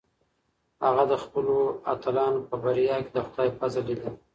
هغه د خپلو اتلانو په بریا کې د خدای فضل لیده.